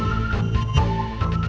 saya akan cerita soal ini